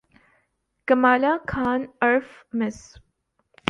کمالہ خان عرف مس